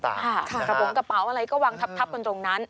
กระโปรงกระเป๋าอะไรก็วางทับกันตรงนั้น